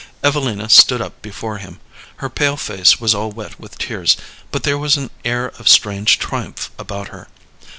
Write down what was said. Evelina stood up before him. Her pale face was all wet with tears, but there was an air of strange triumph about her.